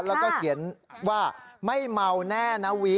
แล้วก็เขียนว่าไม่เมาแน่นะวิ